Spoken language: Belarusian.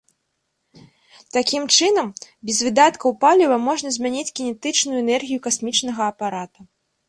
Такім чынам, без выдаткаў паліва можна змяніць кінетычную энергію касмічнага апарата.